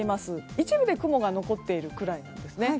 一部で雲が残っているくらいですね。